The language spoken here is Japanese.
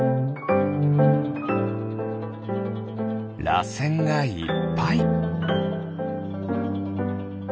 らせんがいっぱい。